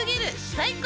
最高！